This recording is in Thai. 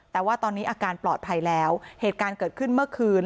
แต่ว่าตอนนี้อาการปลอดภัยแล้วเหตุการณ์เกิดขึ้นเมื่อคืน